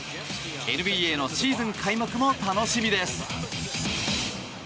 ＮＢＡのシーズン開幕も楽しみです。